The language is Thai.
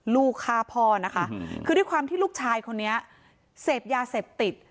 ลูกฆ่าพ่อนะคะคือด้วยความที่ลูกชายคนนี้เสพยาเสพติด